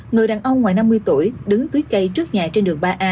người đàn ông ngoài năm mươi tuổi đứng dưới cây trước nhà trên đường ba a